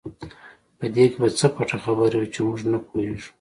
په دې کې به څه پټه خبره وي چې موږ نه پوهېږو.